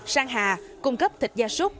sang hà cung cấp thịt da súc